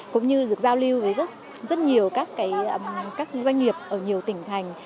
cũng như được giao lưu với rất nhiều các doanh nghiệp ở nhiều tỉnh thành